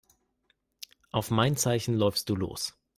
Auf mein Zeichen läufst du los.